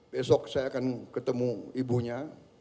besok saya akan ketemu ibunya